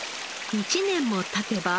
１年も経てば